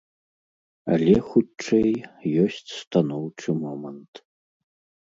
Але, хутчэй, ёсць станоўчы момант.